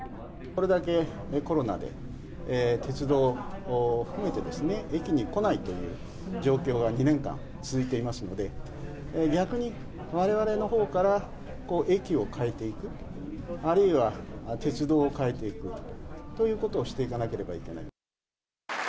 これだけコロナで、鉄道を含めてですね、駅に来ないという状況が２年間、続いていますので、逆にわれわれのほうから駅を変えていく、あるいは、鉄道を変えていくということをしていかなければいけない。